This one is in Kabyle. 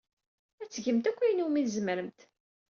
Ad tgemt akk ayen umi tzemremt.